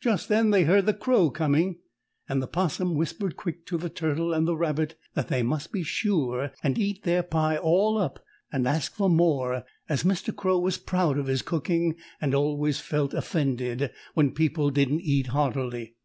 Just then they heard the Crow coming, and the 'Possum whispered quick to the Turtle and the Rabbit that they must be sure and eat their pie all up and ask for more, as Mr. Crow was proud of his cooking and always felt offended when people didn't eat heartily.